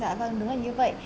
dạ vâng đúng là như vậy